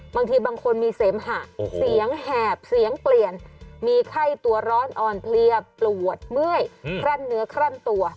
บางทีบางคนมีเสมหะเสียงแหบเสียงเปลี่ยนมีไข้ตัวร้อนอ่อนเพลียปวดเมื่อยคลั่นเนื้อคลั่นตัว